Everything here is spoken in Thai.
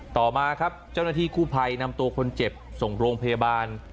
ต่อมาครับเจ้าหน้าที่กู้ภัยนำตัวคนเจ็บส่งโรงพยาบาล